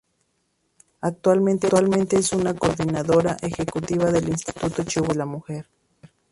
Actualmente es la Coordinadora Ejecutiva del Instituto Chihuahuense de la Mujer.